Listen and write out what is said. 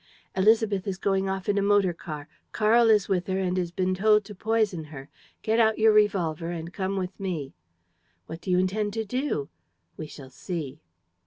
"Élisabeth is going off in a motor car. Karl is with her and has been told to poison her. Get out your revolver and come with me." "What do you intend to do?" "We shall see."